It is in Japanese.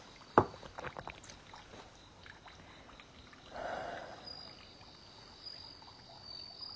はあ。